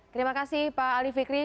terima kasih pak ali fikri